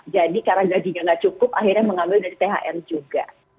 jadi karena gajinya gak cukup akhirnya mengambil dari thr juga